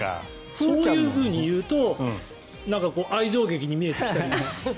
そういうふうに言うとなんか愛憎劇に見えてきたり。